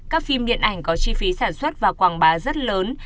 các phim điện ảnh có chi phí sản xuất và quảng bá rất lớn